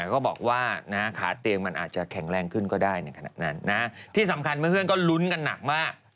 ก็บอกว่าขาเตียงมันอาจจะแข็งแรงขึ้นก็ได้ในขณะนั้นที่สำคัญเพื่อนก็ลุ้นกันหนักมาก